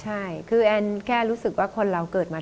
แอนแค่รู้สึกว่าคนเราเกิดมา